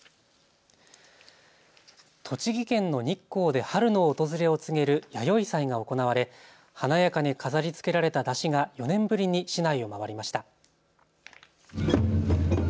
栃木県の日光で春の訪れを告げる弥生祭が行われ、華やかに飾りつけられた山車が４年ぶりに市内を回りました。